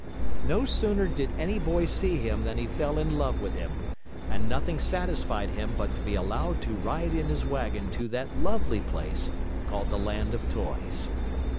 No sooner did any boy see him than he fell in love with him, and nothing satisfied him but to be allowed to ride in his wagon to that lovely place called the Land of Toys.